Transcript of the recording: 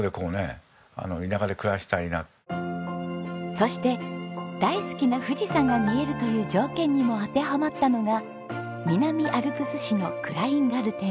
そして大好きな富士山が見えるという条件にも当てはまったのが南アルプス市のクラインガルテン。